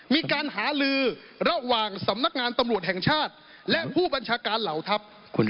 มีการหาลือระหว่างสำนักงานตำรวจแห่งชาติและผู้บัญชาการเหล่าทัพ